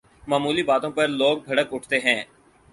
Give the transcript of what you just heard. معمولی باتوں پر لوگ بھڑک اٹھتے ہیں۔